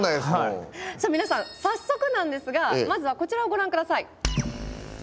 さあ皆さん早速なんですがまずはこちらをご覧下さい。